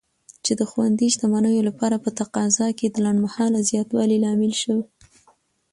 چې د خوندي شتمنیو لپاره په تقاضا کې د لنډمهاله زیاتوالي لامل شو.